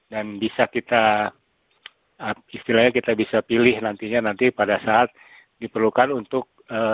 dan bisa kita istilahnya kita bisa pilih nantinya nanti pada saat diperlukan untuk